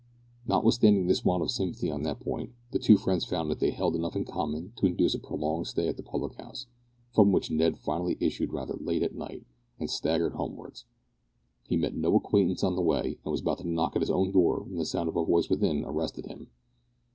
Notwithstanding this want of sympathy on that point, the two friends found that they held enough in common to induce a prolonged stay at the public house, from which Ned finally issued rather late at night, and staggered homewards. He met no acquaintance on the way, and was about to knock at his own door when the sound of a voice within arrested him.